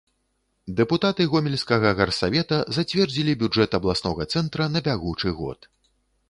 Дэпутаты гомельскага гарсавета зацвердзілі бюджэт абласнога цэнтра на бягучы год.